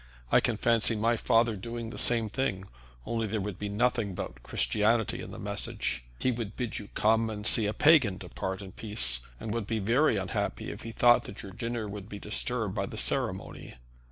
I can fancy my father doing the same thing, only there would be nothing about Christianity in the message. He would bid you come and see a pagan depart in peace, and would be very unhappy if he thought that your dinner would be disturbed by the ceremony.